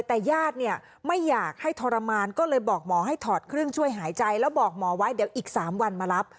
แต่ญาติเนี่ยไม่อยากให้ทรมานก็เลยบอกหมอให้ถอดเครื่องช่วยหายใจแล้วบอกหมอไว้เดี๋ยวอีก๓วันมารับ